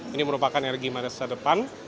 ini merupakan energi masa depan